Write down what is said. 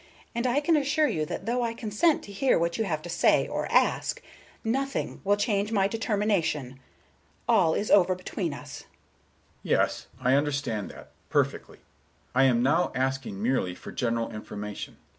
And I can assure you that though I consent to hear what you have to say, or ask, nothing will change my determination. All is over between us." Mr. Richards: "Yes, I understand that, perfectly. I am now asking merely for general information.